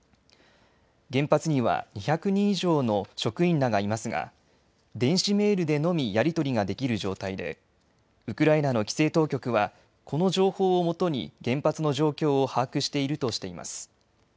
原発には２００人以上の職員らがいますが電子メールでのみやり取りができる状態でウクライナの規制当局はこの情報をもとに原発の状況を把握しているとしています。